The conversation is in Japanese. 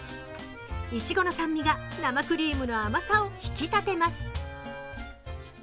いちごの酸味が生クリームの甘さを引き立てます。